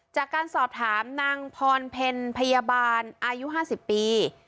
จากการสอบถามนางพรเพลพยาบาลอายุ๕๐ปี